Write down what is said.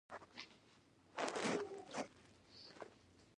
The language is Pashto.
هغه ډیرې پیسې وګټلې او د خلیفه پام یې ځانته راواړوه.